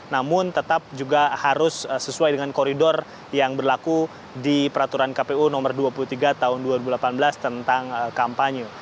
namun tetap juga harus sesuai dengan koridor yang berlaku di peraturan kpu nomor dua puluh tiga tahun dua ribu delapan belas tentang kampanye